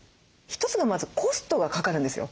一つがまずコストがかかるんですよ。